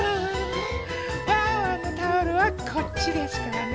ワンワンのタオルはこっちですからね。